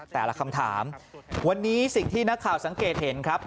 แต่ละคำถามวันนี้สิ่งที่นักข่าวสังเกตเห็นครับ